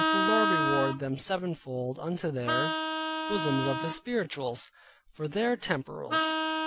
The Lord reward them sevenfold into their bosoms of His spirituals, for their temporals.